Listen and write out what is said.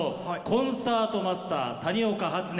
コンサートマスター谷岡初音。